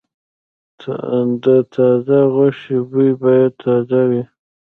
د تازه غوښې بوی باید تازه وي.